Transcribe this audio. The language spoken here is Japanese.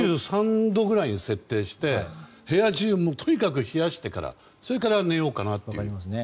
２３度ぐらいに設定して部屋中をとにかく冷やしてからそれから寝ようかなと思いますね。